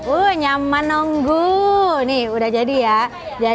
u nyampe nunggu nih udah jadi ya